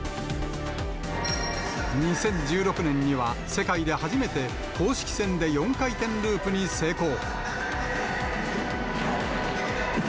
２０１６年には世界で初めて、公式戦で４回転ループに成功。